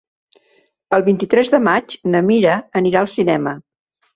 El vint-i-tres de maig na Mira anirà al cinema.